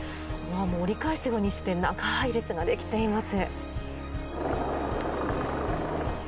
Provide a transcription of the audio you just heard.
折り返すようにして長い列ができています。